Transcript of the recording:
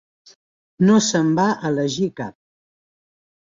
No se'n va elegir cap.